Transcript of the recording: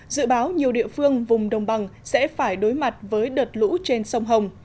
dự báo nhiều địa phương vùng đồng bằng sẽ phải đối mặt với đợt lũ trên sông hồng